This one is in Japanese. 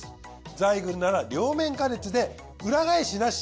ザイグルなら両面加熱で裏返しなし。